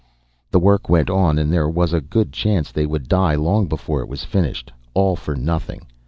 The work went on and there was a good chance they would die long before it was finished. All for nothing.